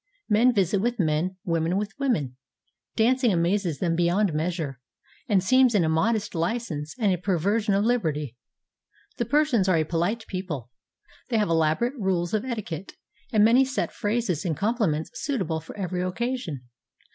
Men visit with men, women with women. Dancing amazes them beyond measure, and seems an immodest license and a perversion of liberty. The Persians are a pohte people. They have elaborate rules of etiquette, and many set phrases and compli ments suitable for every occasion.